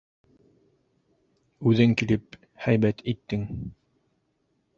Үҙең килеп һәйбәт иттең.